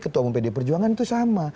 ketua umum pd perjuangan itu sama